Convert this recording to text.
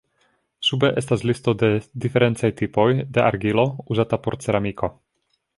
Sube estas listo de diferencaj tipoj de argilo uzata por ceramiko.